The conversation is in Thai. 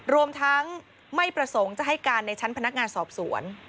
รวมทั้งไม่ประสงค์จะให้การในชั้นพนักงานสอบสวน